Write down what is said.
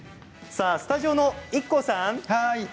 スタジオのＩＫＫＯさん